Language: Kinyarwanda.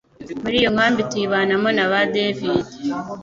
Muriyo nkambi tuyibanamo naba David